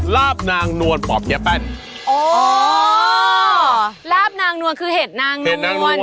ลาปนางนวลคือเห็ดนางนวล